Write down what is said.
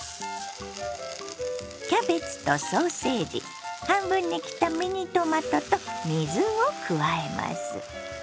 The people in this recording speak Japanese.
キャベツとソーセージ半分に切ったミニトマトと水を加えます。